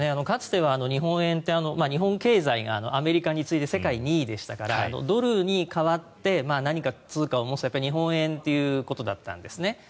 かつては日本円って日本経済がアメリカに次いで世界で２位でしたからドルに代わって何か通貨を持つなら日本円ということだったんですね。